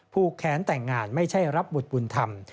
แค้นแต่งงานไม่ใช่รับบุตรบุญธรรม